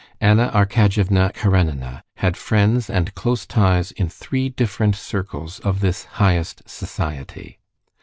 Anna Arkadyevna Karenina had friends and close ties in three different circles of this highest society.